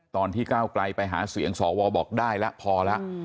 ตอนที่ก้าวไกลไปหาเสียงสวบอกได้แล้วพอแล้ว